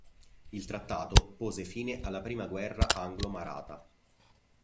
Il trattato pose fine alla prima guerra anglo-maratha.